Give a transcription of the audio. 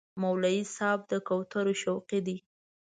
مولوي صاحب د کوترو شوقي دی.